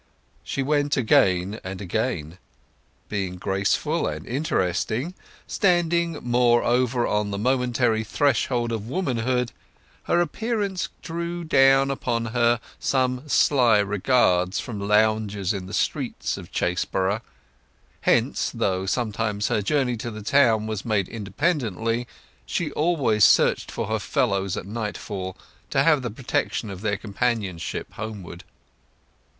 She went again and again. Being graceful and interesting, standing moreover on the momentary threshold of womanhood, her appearance drew down upon her some sly regards from loungers in the streets of Chaseborough; hence, though sometimes her journey to the town was made independently, she always searched for her fellows at nightfall, to have the protection of their companionship homeward.